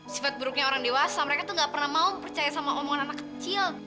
sifat buruknya orang dewasa mereka tuh gak pernah mau percaya sama omongan anak kecil